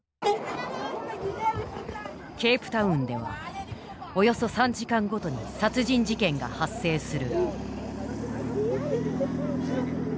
ケープタウンではおよそ３時間ごとに殺人事件が発生する。